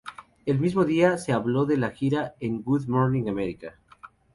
El mismo día, se habló de la gira en Good Morning America.